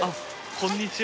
こんにちは！